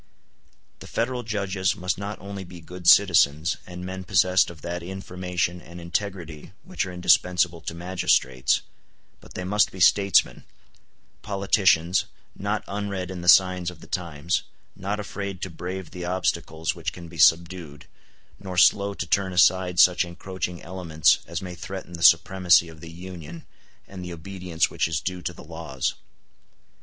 The Federal judges must not only be good citizens, and men possessed of that information and integrity which are indispensable to magistrates, but they must be statesmen—politicians, not unread in the signs of the times, not afraid to brave the obstacles which can be subdued, nor slow to turn aside such encroaching elements as may threaten the supremacy of the Union and the obedience which is due to the laws.